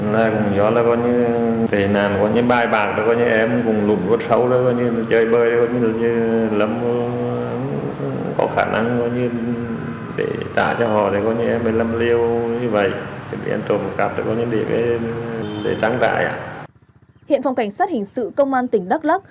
hiện phòng cảnh sát hình sự công an tỉnh đắk lắc